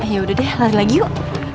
ya udah deh lari lagi yuk